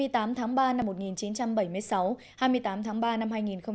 hai mươi tám tháng ba năm một nghìn chín trăm bảy mươi sáu hai mươi tám tháng ba năm hai nghìn một mươi chín